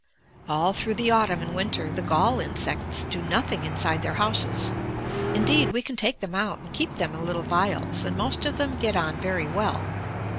All through the autumn and winter the gall insects do nothing inside their houses. Indeed we can take them out and keep them in little vials, and most of them get on very well.